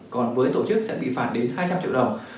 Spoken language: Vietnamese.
còn với tổ chức sẽ bị phạt đến hai trăm linh triệu đồng